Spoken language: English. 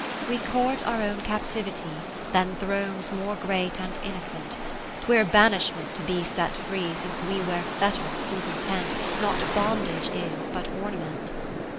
( 520 ) IV We court our own captivity Than thrones more great and innocent : 'Twere banishment to be set free, Since we wear fetters whose intent Not bondage is but ornament.